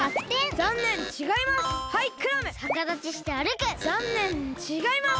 ざんねんちがいます！